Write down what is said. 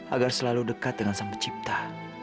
agar selalu dekat dengan sang pencipta